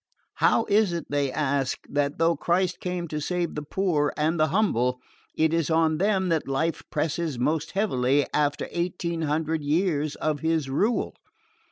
How is it, they ask, that though Christ came to save the poor and the humble, it is on them that life presses most heavily after eighteen hundred years of His rule?